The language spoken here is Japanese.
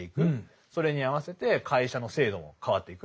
それに合わせて会社の制度も変わっていく。